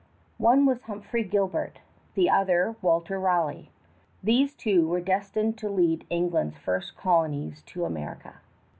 One was Humphrey Gilbert; the other, Walter Raleigh. These two were destined to lead England's first colonies to America.